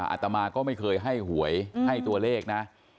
อาตมาก็ไม่เคยให้หวยให้ตัวเลขนะ